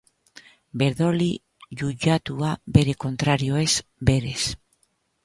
Berdoly jujatua bere kontrarioez berez.